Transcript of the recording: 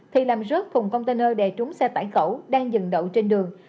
thì nằm rớt thùng container đè trúng xe tải khẩu đang dừng đậu trên đường